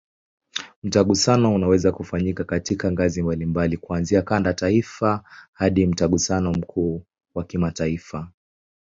Mtaguso unaweza kufanyika katika ngazi mbalimbali, kuanzia kanda, taifa hadi Mtaguso mkuu wa kimataifa.